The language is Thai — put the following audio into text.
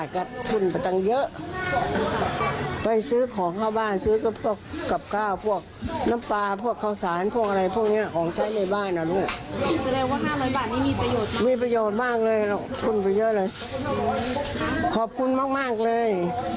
คุณประโยชน์มากเลยคุณไปเยอะเลยขอบคุณมากเลย